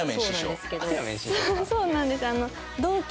そうなんです。